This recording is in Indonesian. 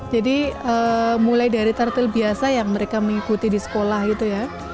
jadi mulai dari tartil biasa yang mereka mengikuti di sekolah gitu ya